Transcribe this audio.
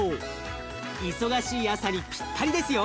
忙しい朝にぴったりですよ。